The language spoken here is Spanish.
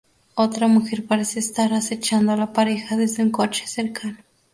Otra mujer parece estar acechando a la pareja desde un coche cercano.